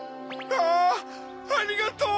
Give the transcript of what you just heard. わぁありがとう！